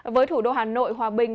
với thủ đô hà nội hòa bình